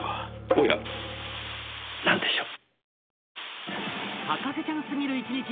おやなんでしょう？